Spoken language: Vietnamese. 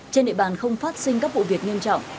trên địa bàn không phát sinh các vụ việc nghiêm trọng